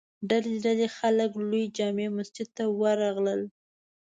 ډلې ډلې خلک لوی جامع مسجد ته ور راغلل.